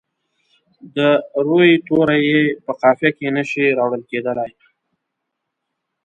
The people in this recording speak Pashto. د روي توري یې په قافیه کې نه شي راوړل کیدلای.